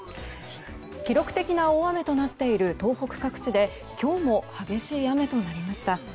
記録的な大雨となっている東北各地で今日も激しい雨となりました。